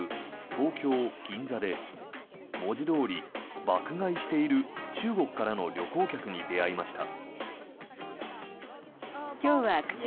東京・銀座で文字どおり爆買いしている中国からの旅行客に出会いました。